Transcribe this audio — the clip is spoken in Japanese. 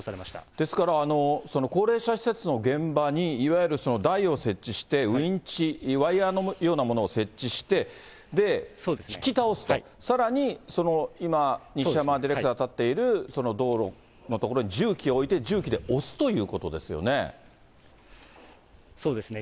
ですから、高齢者施設の現場にいわゆる台を設置して、ウインチ、ワイヤーのようなものを設置して引き倒すと、さらに今、西山ディレクター立っているその道路の所に、重機を置いて重機で押すということですよね。